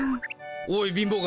おい貧乏神